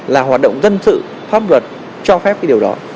là hoạt động dân sự pháp luật cho phép cái điều đó